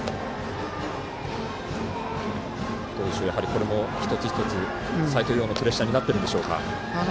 これも一つ一つ斎藤蓉のプレッシャーになってるんでしょうか。